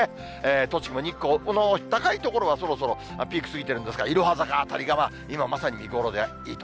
栃木も日光、高い所はそろそろピーク過ぎてるんですが、いろは坂辺りが今まさに見頃でいいと。